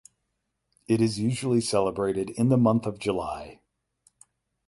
It is usually celebrated in the month of July.